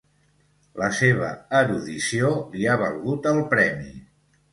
La seva erudició li ha valgut el premi.